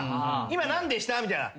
今何でした？みたいな。